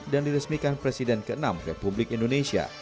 dan diresmikan presiden ke enam republik indonesia